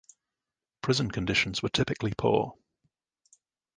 Prison conditions were typically poor.